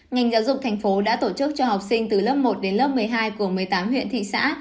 ngành giáo dục thành phố đã tổ chức cho học sinh từ lớp một đến lớp một mươi hai của một mươi tám huyện thị xã